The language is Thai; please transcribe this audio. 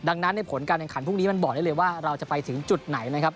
ดังนั้นในผลการแข่งขันพรุ่งนี้มันบอกได้เลยว่าเราจะไปถึงจุดไหนนะครับ